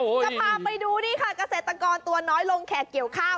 จะพาไปดูขเศรษฐกรตัวน้อยลงแขกเกี่ยวข้าว